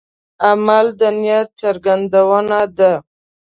عمل د نیت څرګندونه ده.